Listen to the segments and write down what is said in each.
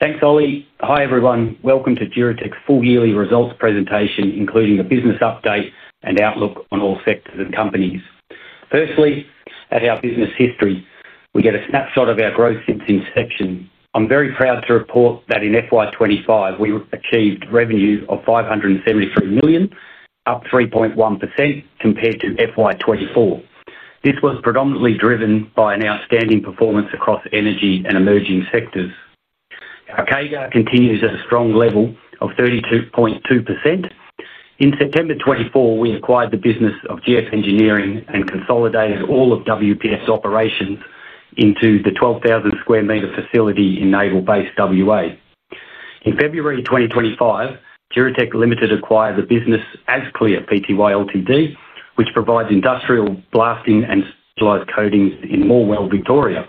Thanks, Ollie. Hi everyone, welcome to Duratec's Full Yearly Results Presentation, including the business update and outlook on all sectors and companies. Firstly, at our business history, we get a snapshot of our growth since inception. I'm very proud to report that in FY 2025, we achieved revenue of $573 million, up 3.1% compared to FY 2024. This was predominantly driven by an outstanding performance across energy and emerging sectors. Our CAGR continues at a strong level of 32.2%. In September 2024, we acquired the business of GF Engineering and consolidated all of WPF operations into the 12,000 square meter facility in Naval Base, WA. In February 2025, Duratec Limited acquired the business Asclear Pty Ltd, which provides industrial blasting and solid coatings in Moorabool, Victoria.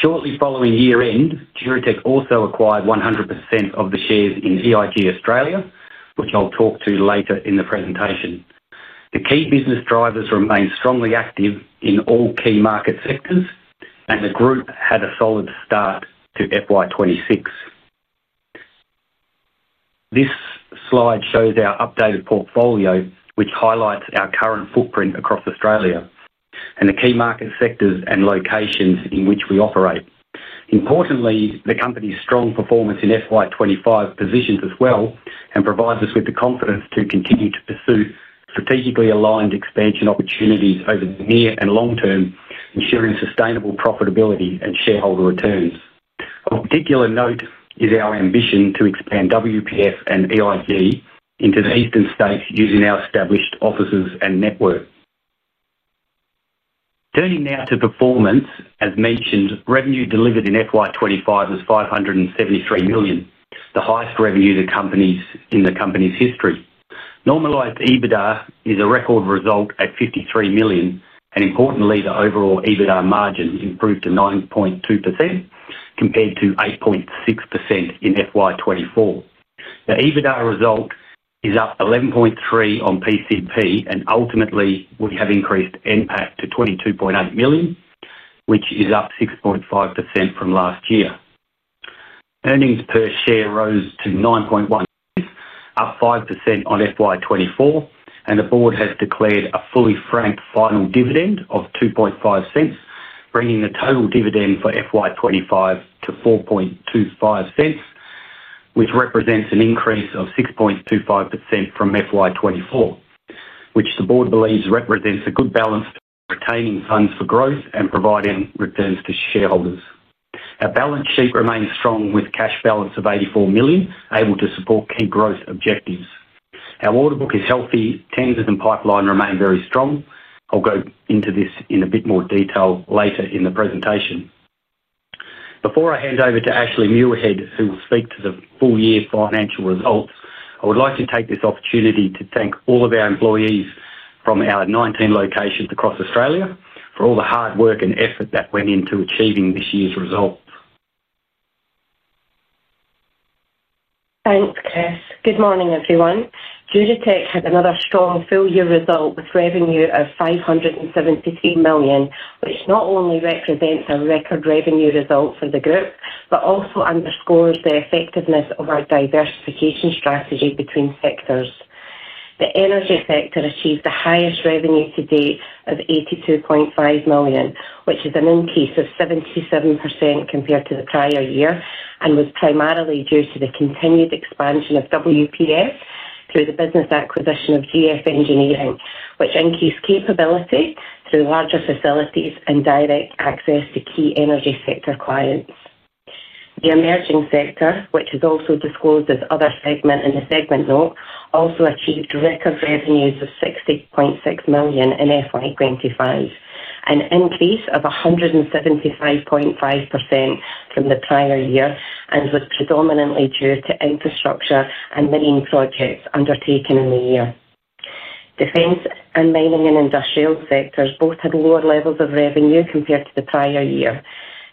Shortly following year-end, Duratec also acquired 100% of the shares in ZIG Australia, which I'll talk to later in the presentation. The key business drivers remain strongly active in all key market sectors, and the group had a solid start to FY 2026. This slide shows our updated portfolio, which highlights our current footprint across Australia and the key market sectors and locations in which we operate. Importantly, the company's strong performance in FY 2025 positions us well and provides us with the confidence to continue to pursue strategically aligned expansion opportunities over the near and long term, ensuring sustainable profitability and shareholder returns. Of particular note is our ambition to expand WPF and EIG into the Eastern States using our established offices and network. Turning now to performance, as mentioned, revenue delivered in FY 2025 was $573 million, the highest revenue in the company's history. Normalized EBITDA is a record result at $53 million, and importantly, the overall EBITDA margin improved to 9.2% compared to 8.6% in FY 2024. The EBITDA result is up 11.3% on PCP, and ultimately, we have increased NPAT to $22.8 million, which is up 6.5% from last year. Earnings per share rose to $9.1 million, up 5% on FY 2024, and the board has declared a fully franked final dividend of $0.025, bringing the total dividend for FY 2025 to $0.0425, which represents an increase of 6.25% from FY 2024, which the board believes represents a good balance for retaining funds for growth and providing returns to shareholders. Our balance sheet remains strong with a cash balance of $84 million, able to support key growth objectives. Our order book is healthy, tenders and pipeline remain very strong. I'll go into this in a bit more detail later in the presentation. Before I hand over to Ashley Muirhead, who will speak to the full year financial result, I would like to take this opportunity to thank all of our employees from our 19 locations across Australia for all the hard work and effort that went into achieving this year's results. Thanks, Chris. Good morning, everyone. Duratec had another strong full year result with revenue of $573 million, which not only represents a record revenue result for the group, but also underscores the effectiveness of our diversification strategy between sectors. The energy sector achieved the highest revenue to date of $82.5 million, which is an increase of 77% compared to the prior year, and was primarily due to the continued expansion of WPF through the business acquisition of GF Engineering, which increased capability through larger facilities and direct access to key energy sector clients. The emerging sector, which is also disclosed as other segment in the segment note, also achieved record revenues of $60.6 million in FY 2025, an increase of 175.5% from the prior year, and was predominantly due to infrastructure and mining projects undertaken in the year. Defense and mining and industrial sectors both had lower levels of revenue compared to the prior year.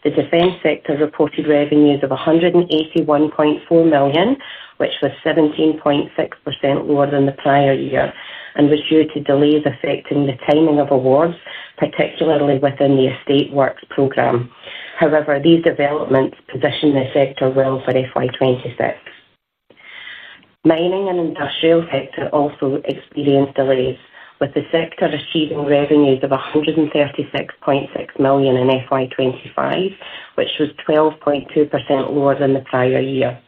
The defense sector reported revenues of $181.4 million, which was 17.6% lower than the prior year, and was due to delays affecting the timing of awards, particularly within the Estate Works program. However, these developments position the sector well for FY 2026. Mining and industrial sector also experienced delays, with the sector achieving revenues of $136.6 million in FY 2025, which was 12.2% lower than the prior year.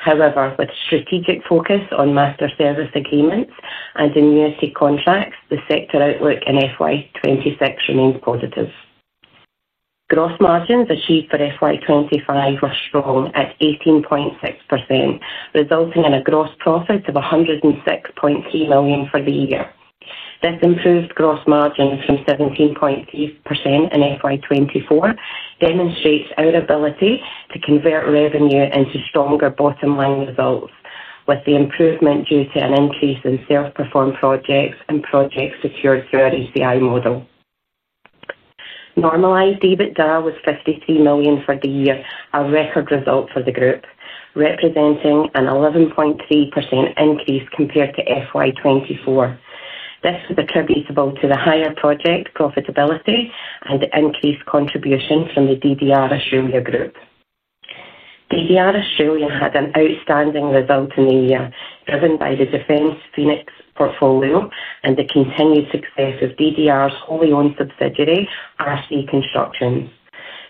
However, with strategic focus on master service agreements and in-unit contracts, the sector outlook in FY 2026 remains positive. Gross margins achieved for FY 2025 were strong at 18.6%, resulting in a gross profit of $106.3 million for the year. This improved gross margin from 17.3% in FY 2024 demonstrates our ability to convert revenue into stronger bottom-line results, with the improvement due to an increase in self-performed projects and projects secured through our ECI model. Normalized EBITDA was $53 million for the year, a record result for the group, representing an 11.3% increase compared to FY 2024. This was attributable to the higher project profitability and increased contribution from the DDR Assuria Group. DDR Assuria had an outstanding result in the year, driven by the defense Phoenix portfolio and the continued success of DDR's wholly-owned subsidiary, Ashley Constructions.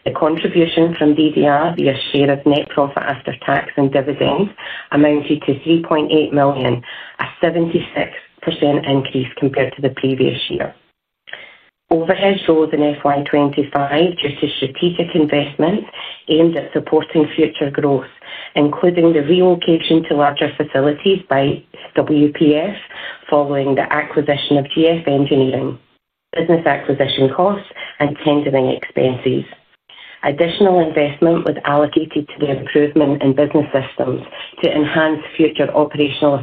The contribution from DDR via share of net profit after tax and dividend amounted to $3.8 million, a 76% increase compared to the previous year. Overhead rose in FY 2025 due to strategic investments aimed at supporting future growth, including the relocation to larger facilities by WPF operations following the acquisition of GF Engineering, business acquisition costs, and tendering expenses. Additional investment was allocated to the improvement in business systems to enhance future operational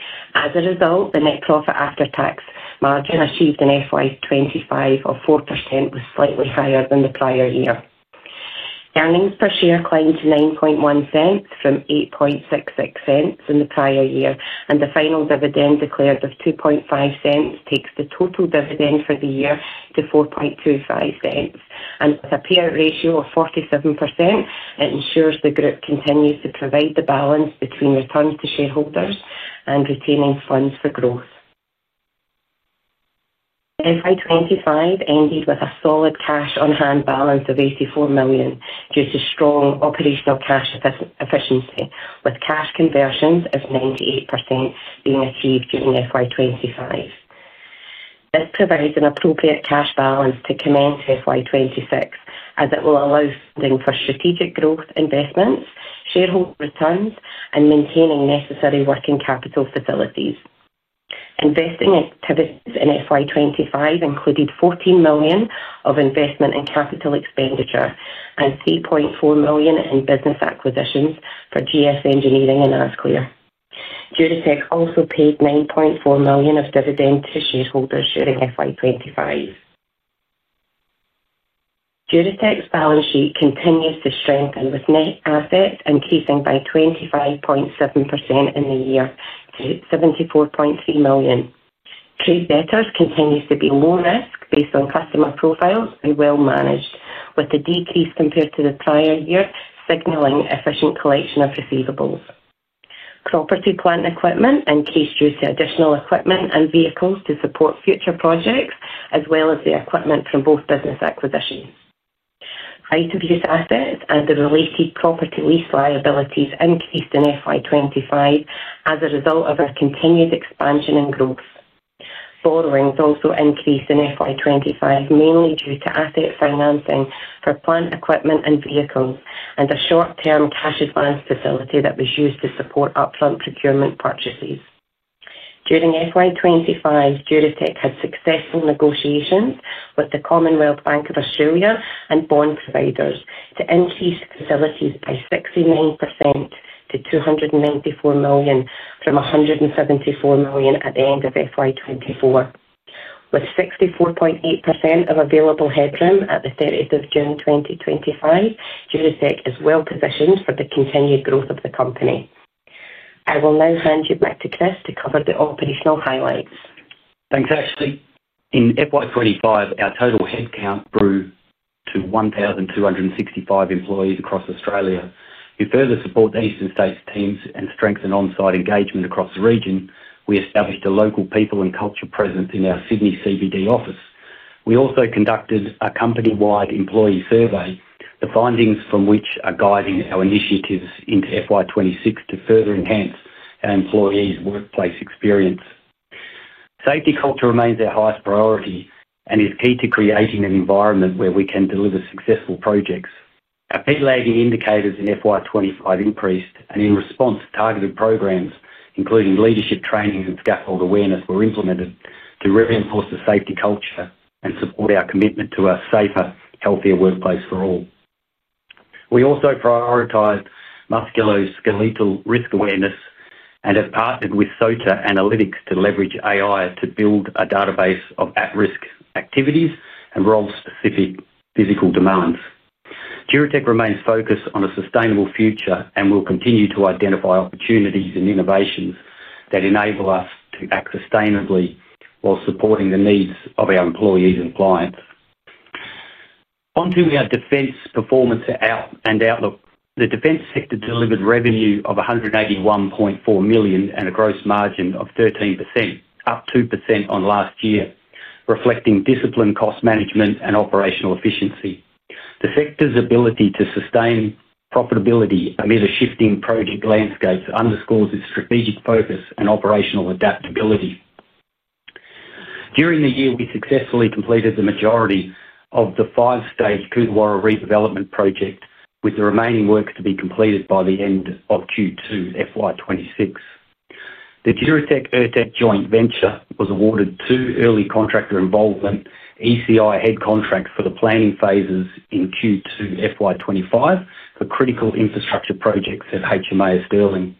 efficiency. As a result, the net profit after tax margin achieved in FY 2025 of 4% was slightly higher than the prior year. Earnings per share climbed to $0.091 from $0.0866 in the prior year, and the final dividend declared of $0.025 takes the total dividend for the year to $0.0425, and with a per ratio of 47%, it ensures the group continues to provide the balance between returns to shareholders and retaining funds for growth. FY 2025 ended with a solid cash on-hand balance of $84 million due to strong operational cash efficiency, with cash conversions of 98% being achieved during FY 2025. This provides an appropriate cash balance to commence FY 2026, as it will allow funding for strategic growth investments, shareholder returns, and maintaining necessary working capital facilities. Investing activities in FY 2025 included $14 million of investment in capital expenditure and $3.4 million in business acquisitions for GF Engineering and Asclear Pty. Duratec also paid $9.4 million of dividend to shareholders during FY 2025. Duratec's balance sheet continues to strengthen with net assets increasing by 25.7% in the year to $74.3 million. true vetters continues to be low risk based on customer profiles and well managed, with a decrease compared to the prior year signaling efficient collection of receivables. Property, plant, and equipment increased due to additional equipment and vehicles to support future projects, as well as the equipment from both business acquisitions. High-to-based assets and the related property lease liabilities increased in FY 2025 as a result of our continued expansion and growth. Borrowings also increased in FY 2025, mainly due to asset financing for plant equipment and vehicles, and a short-term cash advance facility that was used to support upfront procurement purchases. During FY 2025, Duratec had successful negotiations with the Commonwealth Bank of Australia and bond providers to increase facilities by 69% to $294 million from $174 million at the end of FY 2024. With 64.8% of available headroom at the 30th of June 2025, Duratec is well positioned for the continued growth of the company. I will now hand you back to Chris to cover the operational highlights. Thanks, Ashley. In FY 2025, our total headcount grew to 1,265 employees across Australia. To further support the Eastern States teams and strengthen onsite engagement across the region, we established a local people and culture presence in our Sydney CBD office. We also conducted a company-wide employee survey, the findings from which are guiding our initiatives into FY 2026 to further enhance our employees' workplace experience. Safety culture remains our highest priority and is key to creating an environment where we can deliver successful projects. Our PLA indicators in FY 2025 increased, and in response, targeted programs, including leadership training and scaffold awareness, were implemented to reinforce the safety culture and support our commitment to a safer, healthier workplace for all. We also prioritize musculoskeletal risk awareness and have partnered with SOTA Analytics to leverage AI to build a database of at-risk activities and role-specific physical demands. Duratec remains focused on a sustainable future and will continue to identify opportunities and innovations that enable us to act sustainably while supporting the needs of our employees and clients. On to our defense performance and outlook. The defense sector delivered revenue of $181.4 million and a gross margin of 13%, up 2% on last year, reflecting discipline, cost management, and operational efficiency. The sector's ability to sustain profitability amid a shifting project landscape underscores its strategic focus and operational adaptability. During the year, we successfully completed the majority of the five-stage Coot Warra redevelopment project, with the remaining works to be completed by the end of Q2 FY 2026. The Duratec ERTEC joint venture was awarded two early contractor involvement (ECI) head contracts for the planning phases in Q2 FY 2025 for critical infrastructure projects at HMAS Stirling.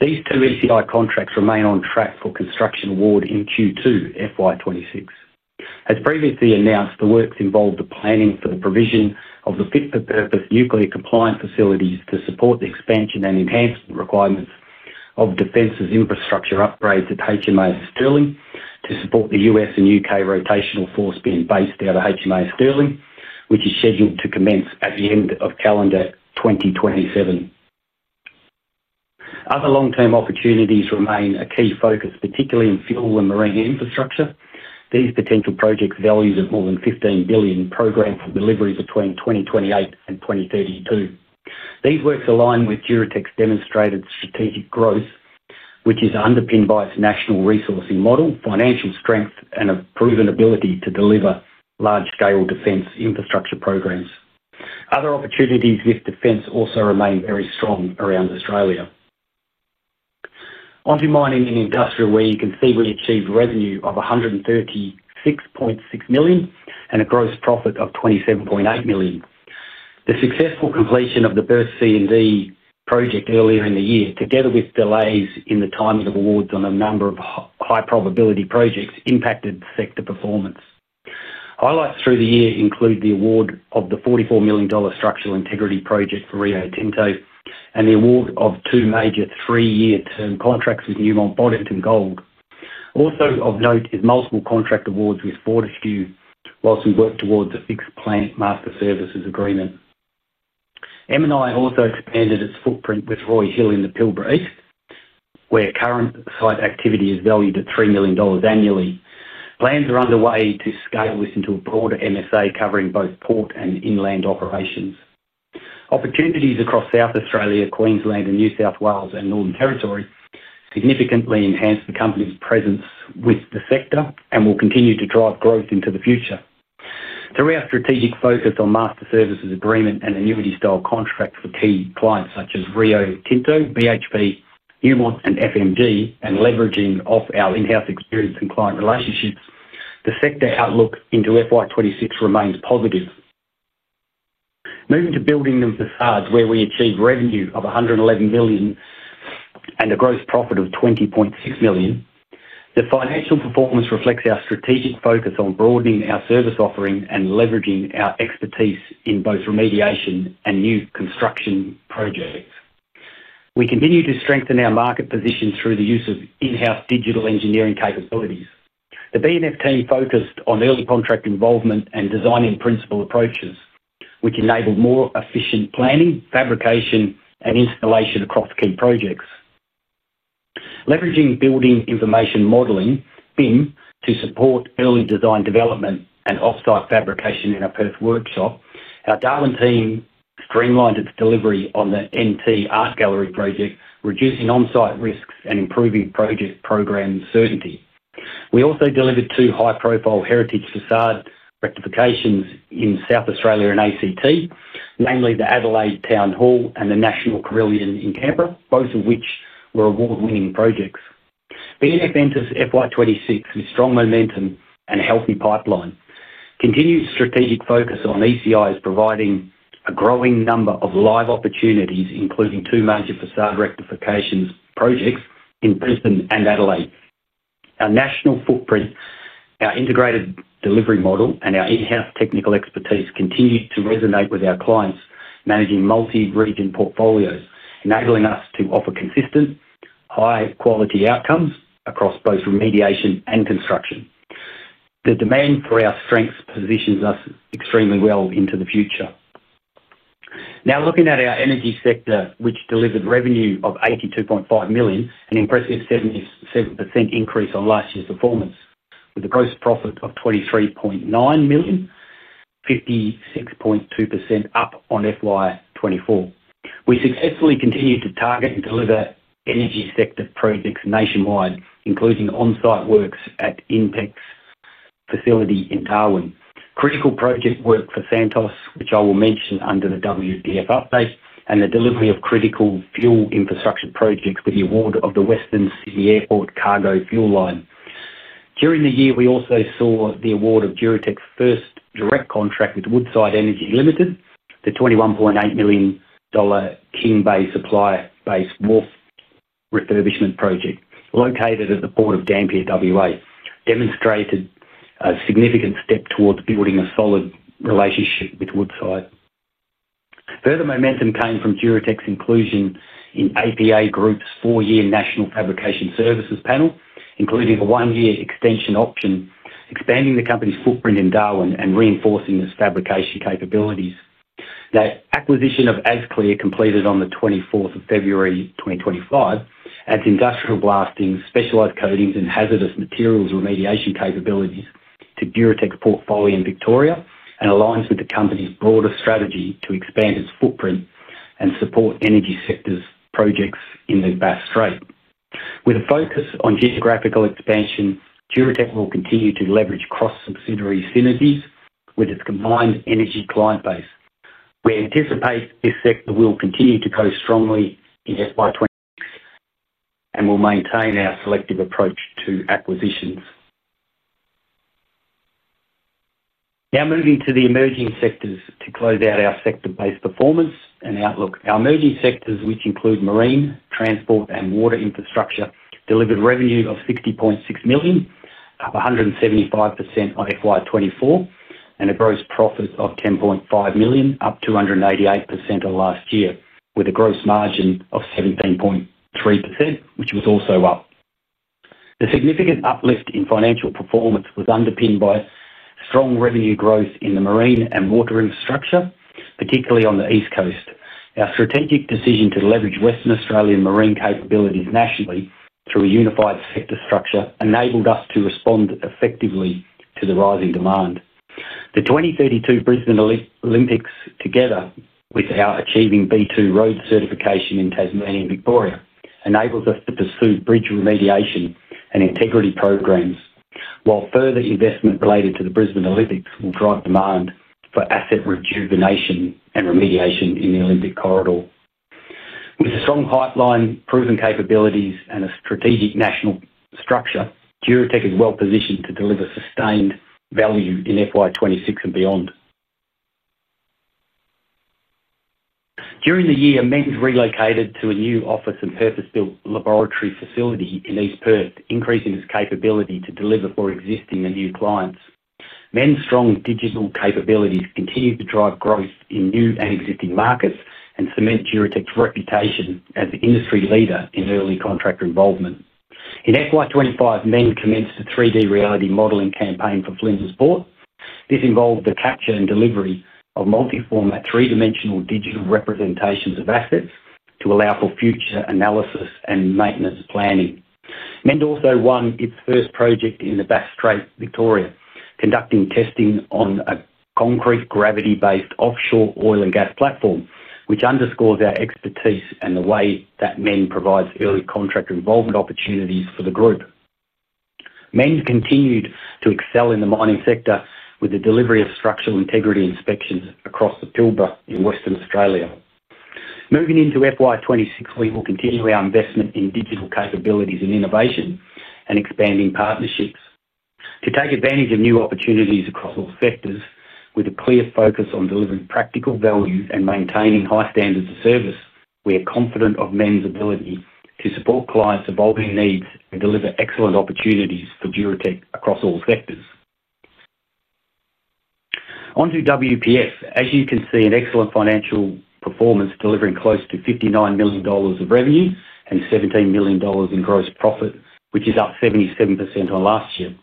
These two ECI contracts remain on track for construction award in Q2 FY 2026. As previously announced, the works involved the planning for the provision of the fit-for-purpose nuclear compliant facilities to support the expansion and enhancement requirements of defense's infrastructure upgrades at HMAS Stirling to support the U.S. and U.K. rotational force being based out of HMAS Stirling, which is scheduled to commence at the end of calendar 2027. Other long-term opportunities remain a key focus, particularly in fuel and marine infrastructure. These potential projects value at more than $15 billion program for delivery between 2028 and 2032. These works align with Duratec's demonstrated strategic growth, which is underpinned by its national resourcing model, financial strength, and a proven ability to deliver large-scale defense infrastructure programs. Other opportunities with defense also remain very strong around Australia. On to mining and industrial where you can see we achieved revenue of $136.6 million and a gross profit of $27.8 million. The successful completion of the BIRTH C&D project earlier in the year, together with delays in the timing of awards on a number of high-probability projects, impacted sector performance. Highlights through the year include the award of the $44 million structural integrity project for Rio Tinto and the award of two major three-year term contracts with Newmont Bonnet and Gold. Also of note is multiple contract awards with Border Stew whilst we work towards a fixed plant master services agreement. M&I also expanded its footprint with Roy Hill in the Pilbara East, where current site activity is valued at $3 million annually. Plans are underway to scale this into a port MSA covering both port and inland operations. Opportunities across South Australia, Queensland, New South Wales, and Northern Territory significantly enhance the company's presence with the sector and will continue to drive growth into the future. Through our strategic focus on master services agreement and annuity-style contracts for key clients such as Rio Tinto, BHP, Newmont, and FMD, and leveraging off our in-house experience and client relationships, the sector outlook into FY 2026 remains positive. Moving to building and facades where we achieved revenue of $111 million and a gross profit of $20.6 million, the financial performance reflects our strategic focus on broadening our service offering and leveraging our expertise in both remediation and new construction projects. We continue to strengthen our market position through the use of in-house digital engineering capabilities. The B&F team focused on early contract involvement and designing principle approaches, which enabled more efficient planning, fabrication, and installation across key projects. Leveraging building information modeling (BIM) to support early design development and offsite fabrication in a Perth workshop, our Darling team streamlined its delivery on the NT Art Gallery project, reducing onsite risks and improving project program certainty. We also delivered two high-profile heritage facade rectifications in South Australia and ACT, namely the Adelaide Town Hall and the National Carillon in Canberra, both of which were award-winning projects. B&F enters FY 2026 with strong momentum and a healthy pipeline. Continued strategic focus on ECI is providing a growing number of live opportunities, including two major facade rectifications projects in Perth and Adelaide. Our national footprint, our integrated delivery model, and our in-house technical expertise continue to resonate with our clients managing multi-region portfolios, enabling us to offer consistent, high-quality outcomes across both remediation and construction. The demand for our strengths positions us extremely well into the future. Now looking at our energy sector, which delivered revenue of $82.5 million, an impressive 77% increase on last year's performance, with a gross profit of $23.9 million, 56.2% up on FY 2024. We successfully continue to target and deliver energy sector projects nationwide, including onsite works at Inpex facility in Darwin, critical project work for Santos, which I will mention under the WPF update, and the delivery of critical fuel infrastructure projects with the award of the Western Sydney Airport Cargo Fuel Line. During the year, we also saw the award of Duratec's first direct contract with Woodside Energy Ltd, the $21.8 million King Bay supplier-based wharf refurbishment project located at the port of Dampier WA, demonstrated a significant step towards building a solid relationship with Woodside. Further momentum came from Duratec's inclusion in APA Group's four-year national fabrication services panel, including a one-year extension option, expanding the company's footprint in Darwin and reinforcing its fabrication capabilities. The acquisition of Asclear, completed on the 24th of February 2025, adds industrial blasting, specialized coatings, and hazardous materials remediation capabilities to Duratec's portfolio in Victoria and aligns with the company's broader strategy to expand its footprint and support energy sectors projects in the Basque Strait. With a focus on geographical expansion, Duratec will continue to leverage cross-subsidiary synergies with its combined energy client base. We anticipate this sector will continue to grow strongly in FY 2025 and will maintain our selective approach to acquisitions. Now moving to the emerging sectors to close out our sector-based performance and outlook. Our emerging sectors, which include marine, transport, and water infrastructure, delivered revenue of $60.6 million, up 175% on FY 2024, and a gross profit of $10.5 million, up 288% on last year, with a gross margin of 17.3%, which was also up. The significant uplift in financial performance was underpinned by strong revenue growth in the marine and water infrastructure, particularly on the East Coast. Our strategic decision to leverage Western Australian marine capabilities nationally through a unified sector structure enabled us to respond effectively to the rising demand. The 2032 Brisbane Olympics, together with our achieving B2 road certification in Tasmania and Victoria, enables us to pursue bridge remediation and integrity programs, while further investment related to the Brisbane Olympics will drive demand for asset rejuvenation and remediation in the Olympic corridor. With a strong pipeline, proven capabilities, and a strategic national structure, Duratec is well positioned to deliver sustained value in FY 2026 and beyond. During the year, MEND relocated to a new office and purpose-built laboratory facility in East Perth, increasing its capability to deliver for existing and new clients. MEND's strong digital capabilities continue to drive growth in new and existing markets and cement Duratec's reputation as an industry leader in early contractor involvement. In FY 2025, MEND commenced a 3D reality modeling campaign for Flindersport. This involved the capture and delivery of multi-format three-dimensional digital representations of assets to allow for future analysis and maintenance planning. MEND also won its first project in the Bass Strait, Victoria, conducting testing on a concrete gravity-based offshore oil and gas platform, which underscores our expertise and the way that MEND provides early contractor involvement opportunities for the group. MEND continued to excel in the mining sector with the delivery of structural integrity inspections across the Pilbara in Western Australia. Moving into FY 2026, we will continue our investment in digital capabilities and innovation and expanding partnerships to take advantage of new opportunities across all sectors, with a clear focus on delivering practical value and maintaining high standards of service. We are confident of MEND's ability to support clients' evolving needs and deliver excellent opportunities for Duratec across all sectors. On to WPF, as you can see, an excellent financial performance delivering close to $59 million of revenue and $17 million in gross profit, which is up 77% on last year.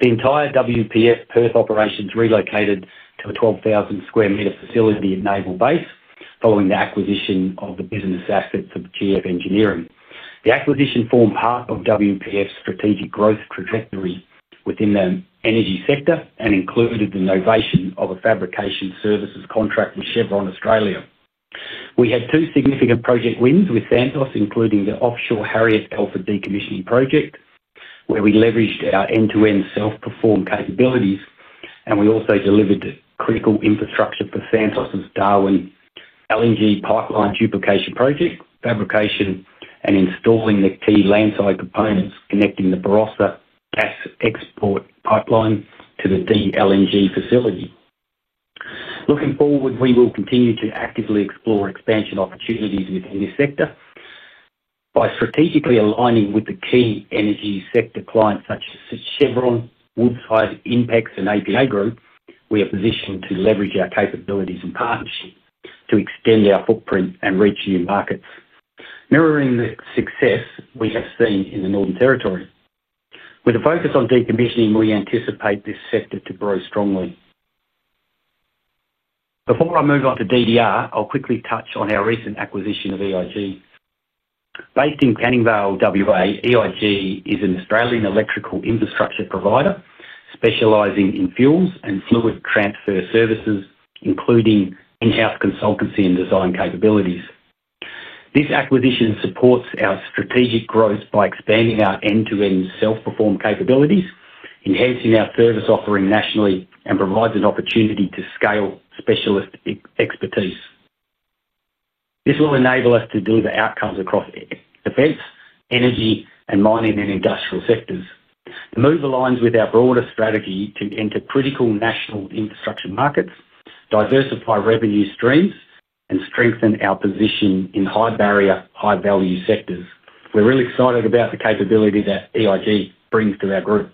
The entire WPF Perth operations relocated to a 12,000 square meter facility at Naval Base following the acquisition of the business assets of GF Engineering. The acquisition formed part of WPF's strategic growth trajectory within the energy sector and included the novation of a fabrication services contract with Chevron. We had two significant project wins with Santos, including the offshore Harriet Alpha decommissioning project, where we leveraged our end-to-end self-perform capabilities, and we also delivered critical infrastructure for Santos' Darwin LNG pipeline duplication project, fabricating and installing the key landside components connecting the Barossa gas export pipeline to the DLNG facility. Looking forward, we will continue to actively explore expansion opportunities within this sector by strategically aligning with the key energy sector clients such as Chevron, Woodside, Inpex, and APA Group. We are positioned to leverage our capabilities and partnership to extend our footprint and reach new markets, mirroring the success we have seen in the Northern Territory. With a focus on decommissioning, we anticipate this sector to grow strongly. Before I move on to DDR, I'll quickly touch on our recent acquisition of EIG Australia. Based in Canningvale, WA, EIG Australia is an Australian electrical infrastructure provider specializing in fuels and fluid transfer services, including in-house consultancy and design capabilities. This acquisition supports our strategic growth by expanding our end-to-end self-perform capabilities, enhancing our service offering nationally, and provides an opportunity to scale specialist expertise. This will enable us to deliver outcomes across defense, energy, and mining and industrial sectors. The move aligns with our broader strategy to enter critical national infrastructure markets, diversify revenue streams, and strengthen our position in high-barrier, high-value sectors. We're really excited about the capability that EIG brings to our group.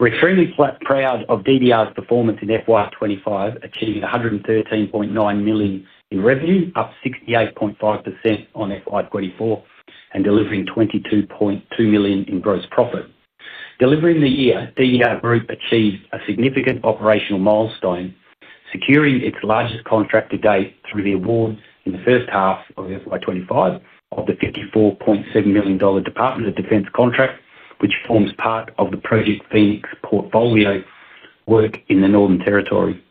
We're extremely proud of Duratec's performance in FY 2025, achieving $113.9 million in revenue, up 68.5% on FY 2024, and delivering $22.2 million in gross profit. During the year, Duratec Group achieved a significant operational milestone, securing its largest contract to date through the award in the first half of FY 2025 of the $54.7 million department of defence contract, which forms part of the Project Phoenix portfolio work in the Northern Territory.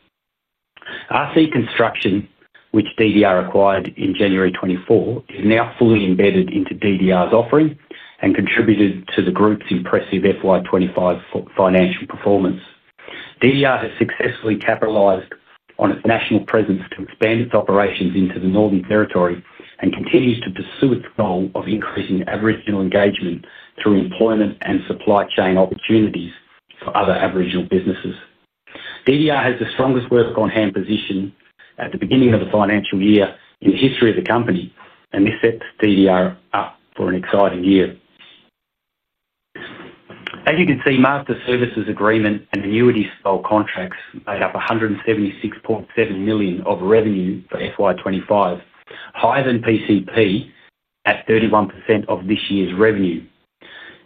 RC Construction, which Duratec acquired in January 2024, is now fully embedded into Duratec's offering and contributed to the group's impressive FY 2025 financial performance. Duratec has successfully capitalized on its national presence to expand its operations into the Northern Territory and continues to pursue its goal of increasing Aboriginal engagement through employment and supply chain opportunities for other Aboriginal businesses. Duratec has the strongest work on-hand position at the beginning of the financial year in the history of the company, and this sets Duratec up for an exciting year. As you can see, master services agreement and annuity-style contracts made up $176.7 million of revenue for FY 2025, higher than PCP at 31% of this year's revenue.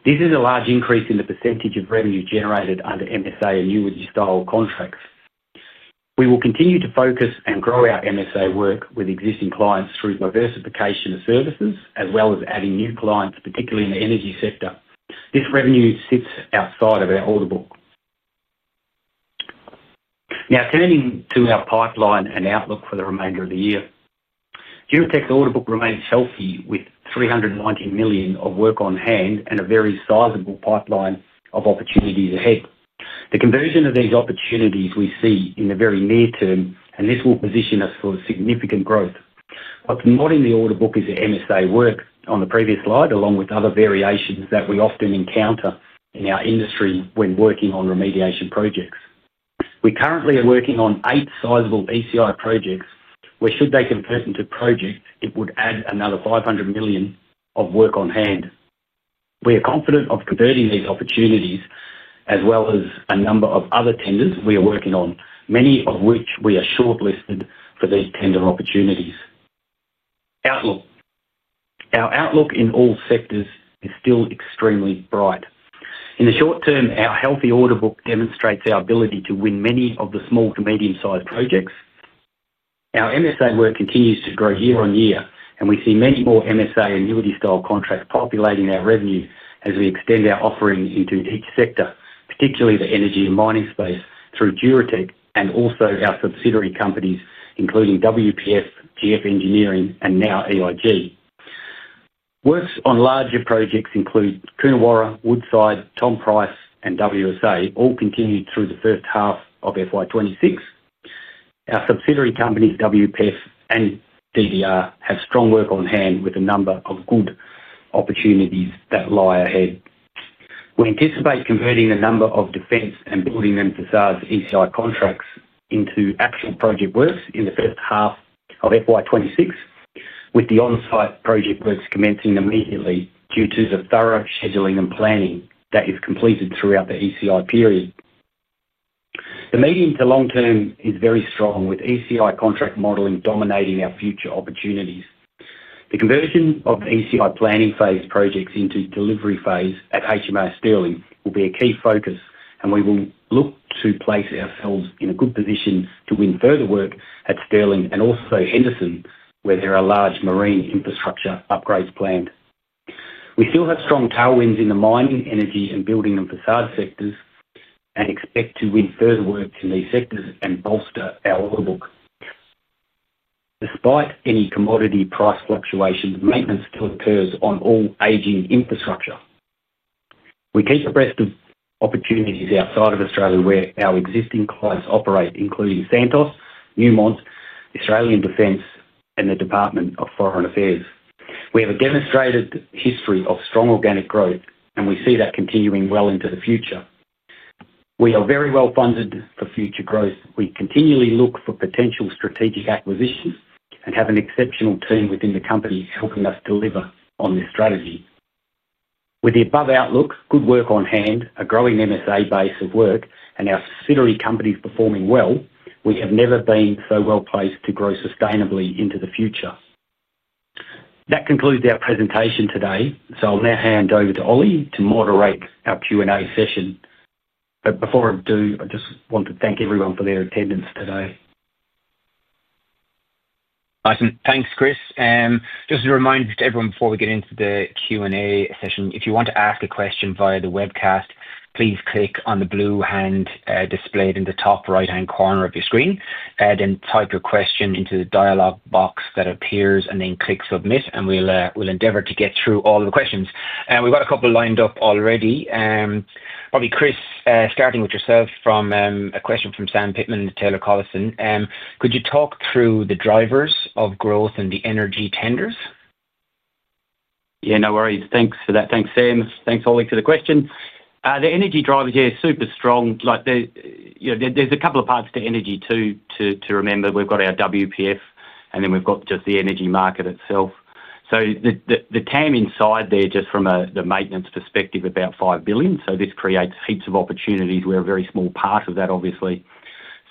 This is a large increase in the percentage of revenue generated under MSA annuity-style contracts. We will continue to focus and grow our MSA work with existing clients through diversification of services, as well as adding new clients, particularly in the energy sector. This revenue sits outside of our order book. Now, turning to our pipeline and outlook for the remainder of the year, Duratec's order book remains healthy with $319 million of work on hand and a very sizable pipeline of opportunities ahead. The conversion of these opportunities we see in the very near term, and this will position us for significant growth. What's not in the order book is the MSA work on the previous slide, along with other variations that we often encounter in our industry when working on remediation projects. We currently are working on eight sizable ECI projects, where should they convert into projects, it would add another $500 million of work on hand. We are confident of converting these opportunities, as well as a number of other tenders we are working on, many of which we are shortlisted for the tender opportunities. Our outlook in all sectors is still extremely bright. In the short term, our healthy order book demonstrates our ability to win many of the small to medium-sized projects. Our MSA work continues to grow year on year, and we see many more MSA annuity-style contracts populating our revenue as we extend our offering into each sector, particularly the energy and mining space through Duratec and also our subsidiary companies, including WPF, GF Engineering, and now EIG Australia. Works on larger projects include Kunawarra, Woodside, Tom Price, and WSA, all continued through the first half of FY 2026. Our subsidiary company, WPF, and DDR have strong work on hand with a number of good opportunities that lie ahead. We anticipate converting the number of defense and building and facades ECI contracts into actual project works in the first half of FY 2026, with the onsite project works commencing immediately due to the thorough scheduling and planning that is completed throughout the ECI period. The medium to long term is very strong, with ECI contract modeling dominating our future opportunities. The conversion of ECI planning phase projects into delivery phase at HMAS Stirling will be a key focus, and we will look to place ourselves in a good position to win further work at Stirling and also Henderson, where there are large marine infrastructure upgrades planned. We still have strong tailwinds in the mining, energy, and building and facade sectors, and expect to win further work in these sectors and bolster our order book. Despite any commodity price fluctuation, the maintenance still occurs on all aging infrastructure. We keep abreast of opportunities outside of Australia where our existing clients operate, including Santos, Newmont, Australian Defence, and the Department of Foreign Affairs. We have a demonstrated history of strong organic growth, and we see that continuing well into the future. We are very well funded for future growth. We continually look for potential strategic acquisitions and have an exceptional team within the company helping us deliver on this strategy. With the above outlooks, good work on hand, a growing MSA base of work, and our subsidiary companies performing well, we have never been so well placed to grow sustainably into the future. That concludes our presentation today. I'll now hand over to Ollie to moderate our Q&A session. Before I do, I just want to thank everyone for their attendance today. Awesome. Thanks, Chris. Just a reminder to everyone before we get into the Q&A session, if you want to ask a question via the webcast, please click on the blue hand displayed in the top right-hand corner of your screen. Type your question into the dialogue box that appears and then click submit, and we'll endeavor to get through all of the questions. We've got a couple lined up already. Probably Chris, starting with yourself from a question from Sam Pittman and Taylor Collison. Could you talk through the drivers of growth in the energy tenders? Yeah. No worries. Thanks for that. Thanks, Sam. Thanks, Ollie, for the question. The energy drivers here are super strong. There's a couple of parts to energy to remember. We've got our WPF and then we've got just the energy market itself. The TAM inside there, just from the maintenance perspective, is about $5 billion. This creates heaps of opportunities. We're a very small part of that, obviously.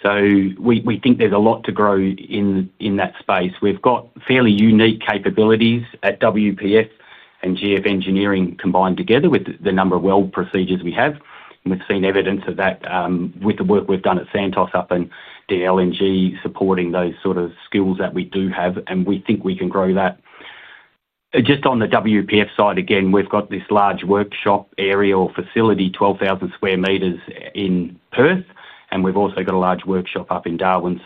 We think there's a lot to grow in that space. We've got fairly unique capabilities at WPF and GF Engineering combined together with the number of weld procedures we have. We've seen evidence of that with the work we've done at Santos up in DLNG supporting those sort of skills that we do have, and we think we can grow that. On the WPF side, again, we've got this large workshop area or facility, 12,000 square meters in Perth, and we've also got a large workshop up in Darwin.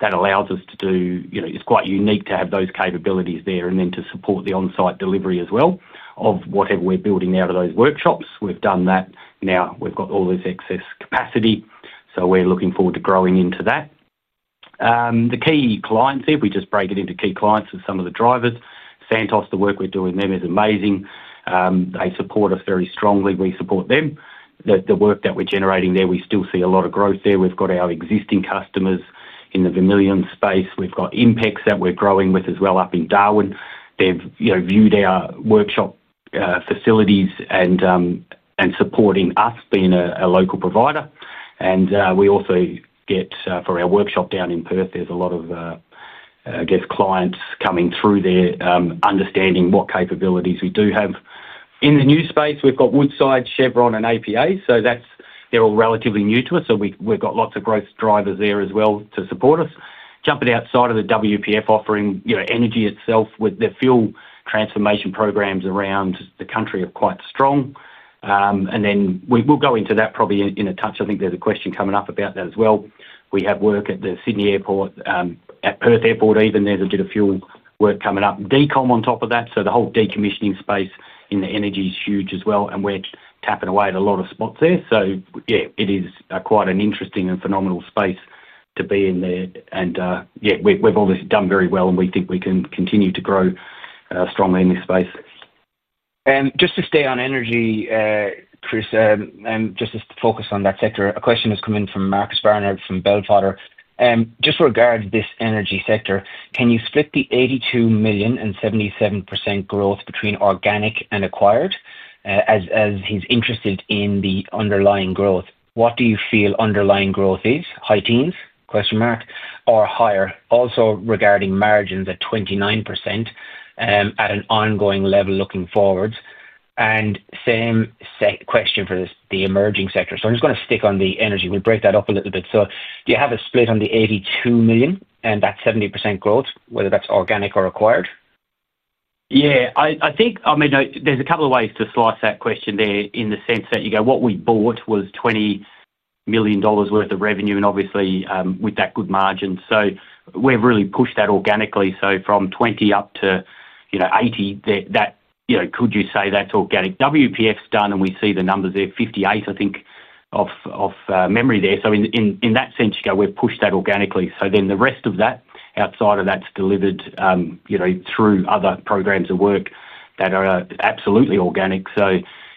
That allows us to do, you know, it's quite unique to have those capabilities there and then to support the onsite delivery as well of whatever we're building out of those workshops. We've done that. Now we've got all this excess capacity. We're looking forward to growing into that. The key clients there, if we just break it into key clients of some of the drivers, Santos, the work we're doing with them is amazing. They support us very strongly. We support them. The work that we're generating there, we still see a lot of growth there. We've got our existing customers in the Vermilion space. We've got Inpex that we're growing with as well up in Darwin. They've viewed our workshop facilities and supporting us being a local provider. We also get for our workshop down in Perth, there's a lot of clients coming through there, understanding what capabilities we do have. In the new space, we've got Woodside, Chevron, and APA. They're all relatively new to us. We've got lots of growth drivers there as well to support us. Jumping outside of the WPF offering, energy itself with the fuel transformation programs around the country are quite strong. We'll go into that probably in a touch. I think there's a question coming up about that as well. We have work at the Sydney Airport, at Perth Airport even, there's a bit of fuel work coming up. DCOM on top of that. The whole decommissioning space in the energy is huge as well. We're tapping away at a lot of spots there. It is quite an interesting and phenomenal space to be in there. We've all done very well and we think we can continue to grow strongly in this space. Just to stay on energy, Chris, and just to focus on that sector, a question has come in from Marcus Barron from Bell Trotter. Just regarding this energy sector, can you split the $82 million and 77% growth between organic and acquired? As he's interested in the underlying growth, what do you feel underlying growth is? High teens? Or higher? Also regarding margins at 29% at an ongoing level looking forwards. Same question for the emerging sector. I'm just going to stick on the energy. We break that up a little bit. Do you have a split on the $82 million and that 77% growth, whether that's organic or acquired? Yeah, I think there's a couple of ways to slice that question there in the sense that you go, what we bought was $20 million worth of revenue and obviously with that good margin. We've really pushed that organically. From $20 million up to $80 million, could you say that's organic? WPF's done and we see the numbers there, $58 million, I think, of memory there. In that sense, we've pushed that organically. The rest of that outside of that's delivered through other programs of work that are absolutely organic.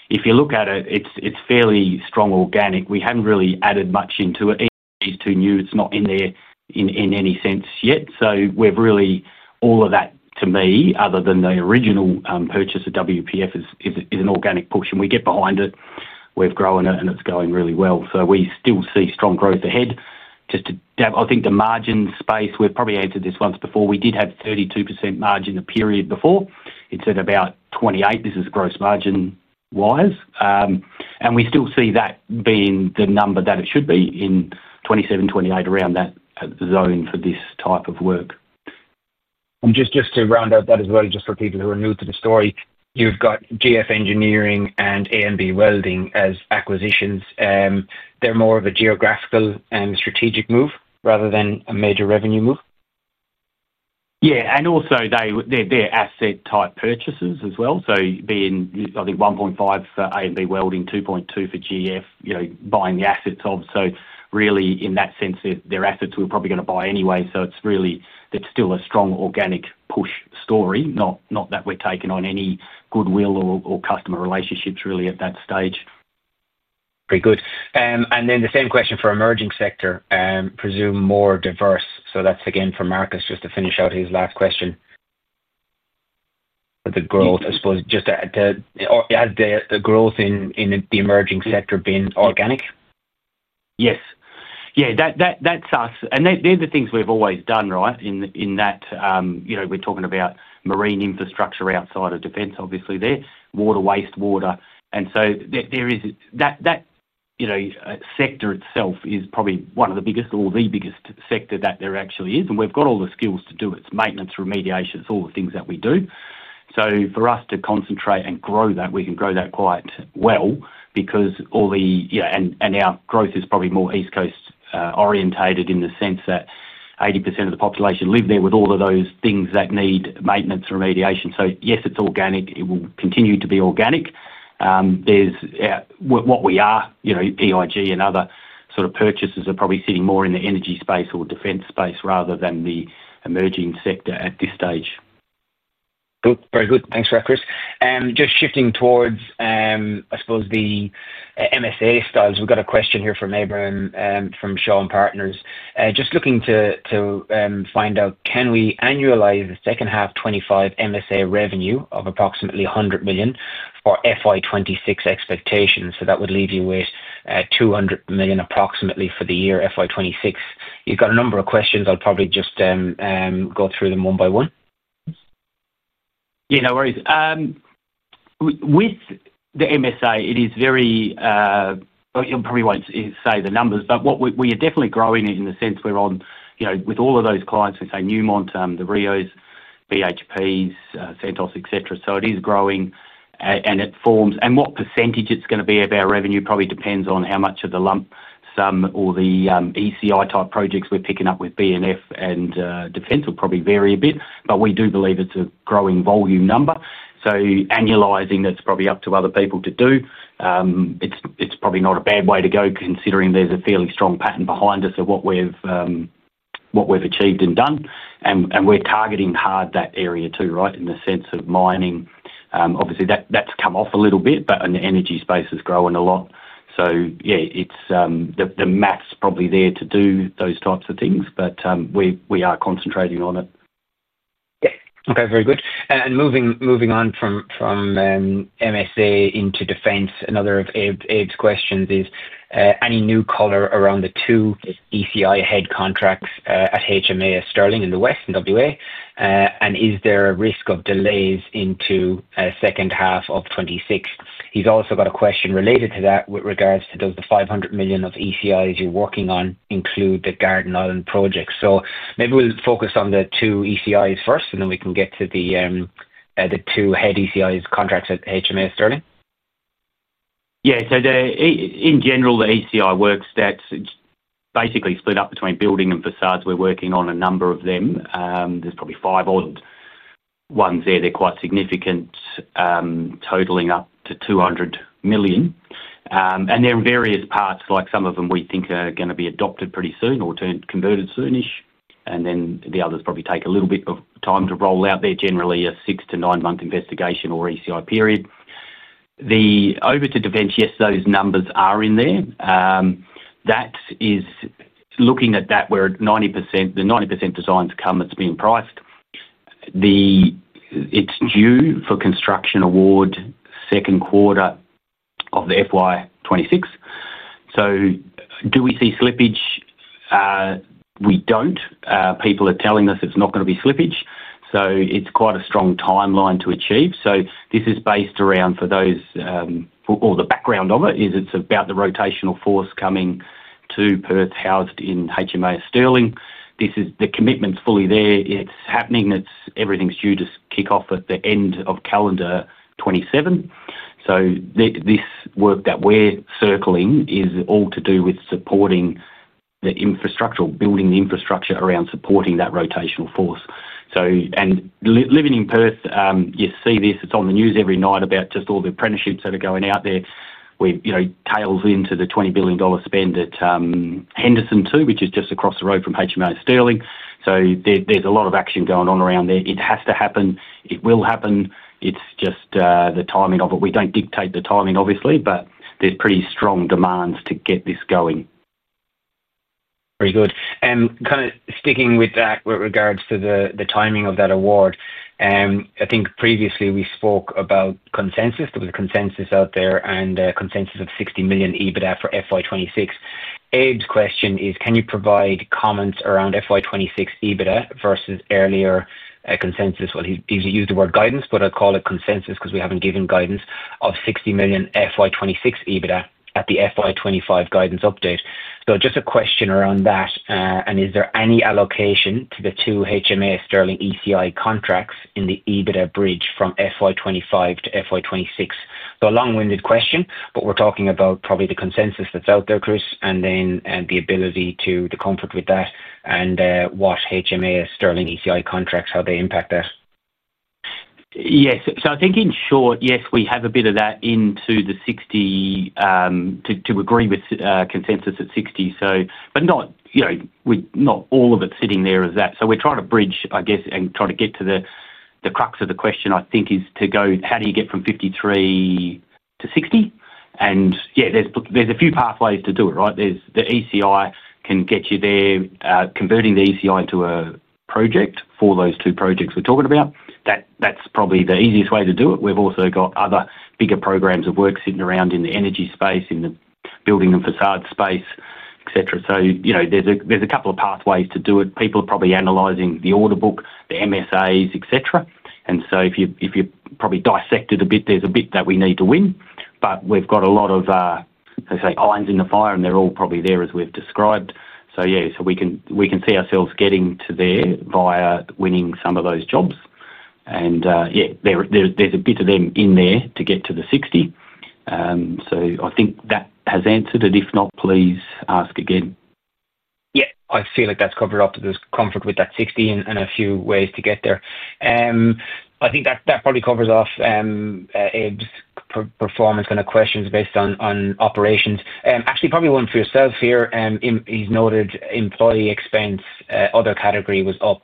If you look at it, it's fairly strong organic. We haven't really added much into it. It's too new. It's not in there in any sense yet. All of that to me, other than the original purchase of WPF, is an organic push and we get behind it. We've grown it and it's going really well. We still see strong growth ahead. I think the margin space, we've probably answered this once before. We did have 32% margin the period before. It's at about 28%. This is gross margin-wise. We still see that being the number that it should be in 27%, 28%, around that zone for this type of work. Just to round out that as well, for people who are new to the story, you've got GF Engineering and ANB Welding as acquisitions. They're more of a geographical and strategic move rather than a major revenue move. They're asset type purchases as well. Being, I think, 1.5% for ANB Welding, 2.2% for GF Engineering, buying the assets of. In that sense, they're assets we're probably going to buy anyway. It's still a strong organic push story, not that we're taking on any goodwill or customer relationships really at that stage. Very good. The same question for emerging sector, presume more diverse. That's again for Marcus, just to finish out his last question. The growth, I suppose, has the growth in the emerging sector been organic? Yes. Yeah, that is correct. They're the things we've always done, right? We're talking about marine infrastructure outside of defense, obviously there, water, wastewater. That sector itself is probably one of the biggest or the biggest sector that there actually is. We've got all the skills to do it. It's maintenance, remediation, it's all the things that we do. For us to concentrate and grow that, we can grow that quite well because our growth is probably more East Coast orientated in the sense that 80% of the population live there with all of those things that need maintenance and remediation. Yes, it's organic. It will continue to be organic. EIG Australia and other sort of purchases are probably sitting more in the energy space or defense space rather than the emerging sector at this stage. Good. Very good. Thanks for that, Chris. Shifting towards the MSA styles, we've got a question here from Abraham from Shaun Partners. Looking to find out, can we annualize the second half 2025 MSA revenue of approximately $100 million for FY 2026 expectations? That would leave you with $200 million approximately for the year FY 2026. You've got a number of questions. I'll probably just go through them one by one. No worries. With the MSA, it is very, I probably won't say the numbers, but we are definitely growing it in the sense we're on, you know, with all of those clients, we say Newmont, the Rios, BHPs, Santos, etc. It is growing and it forms, and what percentage it's going to be of our revenue probably depends on how much of the lump sum or the ECI type projects we're picking up with B&F and defence will probably vary a bit, but we do believe it's a growing volume number. Annualizing, that's probably up to other people to do. It's probably not a bad way to go considering there's a fairly strong pattern behind us of what we've achieved and done. We're targeting hard that area too, right? In the sense of mining, obviously that's come off a little bit, but the energy space is growing a lot. The math's probably there to do those types of things, but we are concentrating on it. Okay, very good. Moving on from MSA into defence, another of Eb's questions is, any new color around the two ECI head contracts at HMAS Stirling in the West and WA? Is there a risk of delays into the second half of 2026? He's also got a question related to that with regards to, does the $500 million of ECIs you're working on include the Garden Island project? Maybe we'll focus on the two ECIs first and then we can get to the two head ECI contracts at HMAS Stirling. In general, the ECI works, that's basically split up between building and facades. We're working on a number of them. There's probably five odd ones there. They're quite significant, totaling up to $200 million. They're in various parts, like some of them we think are going to be adopted pretty soon or converted soonish. The others probably take a little bit of time to roll out. They're generally a six to nine-month investigation or ECI period. Over to defence, yes, those numbers are in there. That is looking at that where 90%, the 90% design's come, that's been priced. It's due for construction award second quarter of FY2026. Do we see slippage? We don't. People are telling us it's not going to be slippage. It's quite a strong timeline to achieve. This is based around, for those, or the background of it is it's about the rotational force coming to Perth housed in HMAS Stirling. The commitment's fully there. It's happening. Everything's due to kick off at the end of calendar 2027. This work that we're circling is all to do with supporting that infrastructure, building the infrastructure around supporting that rotational force. Living in Perth, you see this, it's on the news every night about just all the apprenticeships that are going out there. We've tailed into the $20 billion spend at Henderson too, which is just across the road from HMAS Stirling. There's a lot of action going on around there. It has to happen. It will happen. It's just the timing of it. We don't dictate the timing, obviously, but there's pretty strong demands to get this going. Very good. Kind of sticking with that with regards to the timing of that award. I think previously we spoke about consensus. There was a consensus out there and a consensus of $60 million EBITDA for FY 2026. Eb's question is, can you provide comments around FY 2026 EBITDA versus earlier consensus? He used the word guidance, but I'd call it consensus because we haven't given guidance of $60 million FY 2026 EBITDA at the FY 2025 guidance update. Just a question around that. Is there any allocation to the two HMAS Stirling ECI contracts in the EBITDA bridge from FY 2025 to FY 2026? A long-winded question, but we're talking about probably the consensus that's out there, Chris, and then the ability to, the comfort with that and what HMAS Stirling ECI contracts, how they impact that. Yes. I think in short, yes, we have a bit of that into the $60 million, to agree with consensus at $60 million. Not all of it is sitting there as that. We're trying to bridge, I guess, and try to get to the crux of the question, I think, which is to go, how do you get from $53 million to $60 million? There are a few pathways to do it, right? The ECI can get you there, converting the ECI into a project for those two projects we're talking about. That's probably the easiest way to do it. We've also got other bigger programs of work sitting around in the energy space, in the building and facade space, etc. There are a couple of pathways to do it. People are probably analyzing the order book, the MSAs, etc. If you probably dissect it a bit, there's a bit that we need to win. We've got a lot of, I say, irons in the fire, and they're all probably there as we've described. We can see ourselves getting to there via winning some of those jobs. There's a bit of them in there to get to the $60 million. I think that has answered it. If not, please ask again. Yeah, I feel like that's covered off to this comfort with that 60 and a few ways to get there. I think that that probably covers off EBITDA's performance and the questions based on operations. Ashley, probably one for yourself here. He's noted employee expense, other category was up